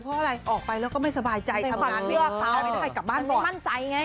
เพราะอะไรออกไปแล้วก็ไม่สบายใจทำงานไม่ได้กลับบ้านหมดมันเป็นมั่นใจไง